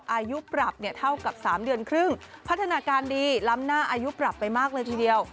อายุปรับเนี่ยเท่ากับ๓เดือนครึ่งพัฒนาการดีล้ำหน้าอายุปรับไปมากเลยทีเดียว